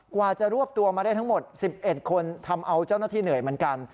กว่าจะรวบตัวมาได้ทั้งหมด๑๑คนทำเอาเจ้าหน้าที่เหนื่อยเหมือนกัน